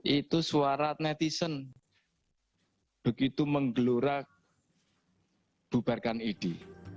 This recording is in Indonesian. itu suara netizen begitu menggelura bubarkan idi